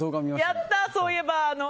やった、そういえば。